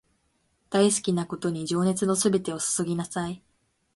大好きなことに情熱のすべてを注ぎなさい